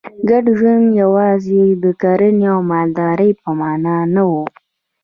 ګډ ژوند یوازې د کرنې او مالدارۍ په معنا نه و.